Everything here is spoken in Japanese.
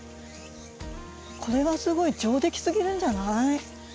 これはすごい上出来すぎるんじゃない？